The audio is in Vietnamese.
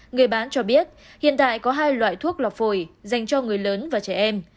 người bán cũng cho biết chỉ nhận khách đặt hàng qua điện thoại chứ không bán trực tiếp